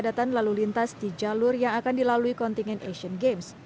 kepadatan lalu lintas di jalur yang akan dilalui kontingen asian games